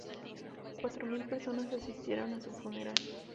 Cuatro mil personas asistieron a su funeral.